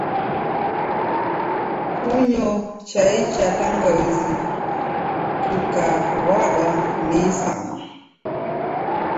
Kunyo chai cha tangauzi kukaw'adwa ni isama.